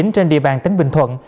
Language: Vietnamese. trên địa bàn tỉnh bình thuận